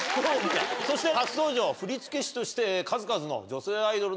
そして初登場振付師として数々の。し